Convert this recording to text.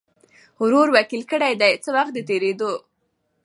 ورور وکیل کړي دی څه وخت د تېریدو